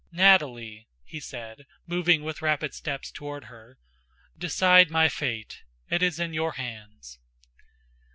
"Nataly," he said, moving with rapid steps toward her, "decide my fate. It is in your hands."